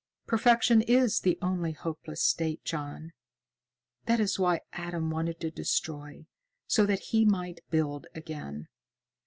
Perfection is the only hopeless state, John. That is why Adam wanted to destroy, so that he might build again."